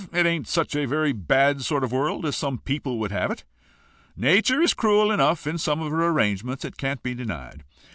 It ain't such a very bad sort of a world as some people would have it. Nature is cruel enough in some of her arrangements, it can't be denied.